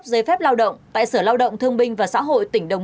sở lao động thương minh và xã hội tình đồng